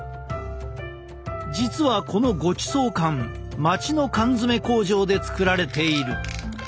実はこのごちそう缶町の缶詰工場で作られている。